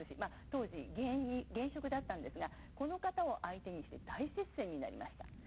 当時現職だったんですがこの方を相手にして大接戦になりました。